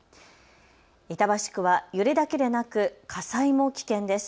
板橋区は揺れだけでなく火災も危険です。